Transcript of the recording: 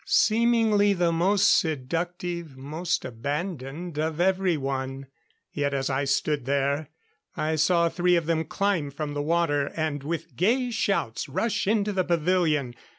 Seemingly the most seductive, most abandoned of everyone. Yet, as I stood there, I saw three of them climb from the water and, with gay shouts, rush into the pavilion.